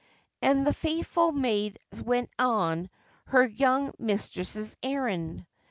And the faithful maid went on her young mistress's errand.